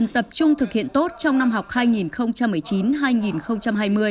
tập trung thực hiện tốt trong năm học hai nghìn một mươi chín hai nghìn hai mươi